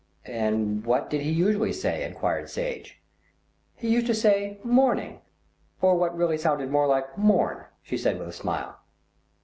"And what did he usually say?" enquired Sage. "He used to say 'morning,' or what really sounded more like 'morn,'" she said with a smile.